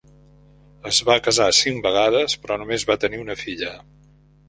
Es va casar cinc vegades però només va tenir una filla.